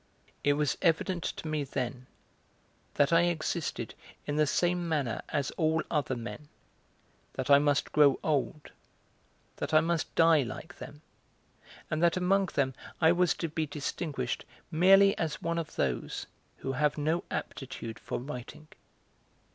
It was evident to me then that I existed in the same manner as all other men, that I must grow old, that I must die like them, and that among them I was to be distinguished merely as one of those who have no aptitude for writing.